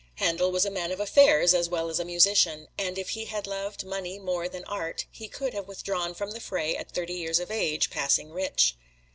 Handel was a man of affairs as well as a musician, and if he had loved money more than Art, he could have withdrawn from the fray at thirty years of age, passing rich.